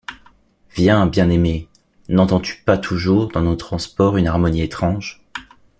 Viens! bien-aimé ! n’entends-tu pas toujours Dans nos transports une harmonie étrange?